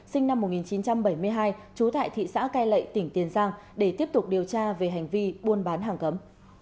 sinh năm một nghìn chín trăm bảy mươi hai trú tại thị xã cai lệ tỉnh tiền giang để tiếp tục điều tra về hành vi buôn bán hàng cấm